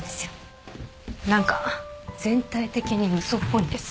何か全体的に嘘っぽいんです。